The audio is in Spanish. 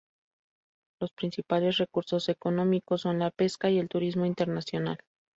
Los principales recursos económicos son la pesca y el turismo internacional.